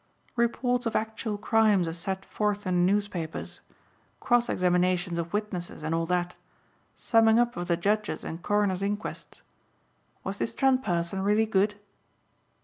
"Reports of actual crimes as set forth in the newspapers. Cross examinations of witnesses and all that, summing up of the judges and coroners' inquests. Was this Trent person really good?"